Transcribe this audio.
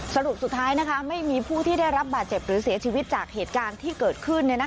สรุปสุดท้ายไม่มีผู้ที่ได้รับบาดเจ็บหรือเสียชีวิตจากเหตุการณ์ที่เกิดขึ้น